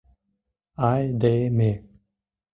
Ай-де-ме!